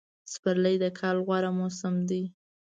پسرلی دکال غوره موسم دی